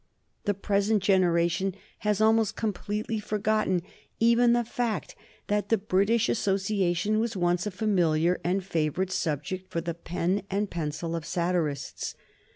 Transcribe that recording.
The present generation has almost completely forgotten even the fact that the British Association was once a familiar and favorite subject for the pen and pencil of satirists.